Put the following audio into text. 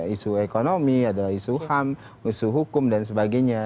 isu ekonomi adalah isu ham isu hukum dan sebagainya